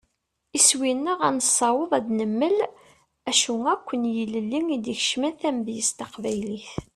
Iswi-nneɣ ad nessaweḍ ad d-nemmel acu akk n yilelli i d-ikecmen tamedyazt taqbaylit.